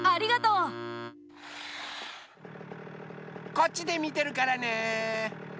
こっちでみてるからね！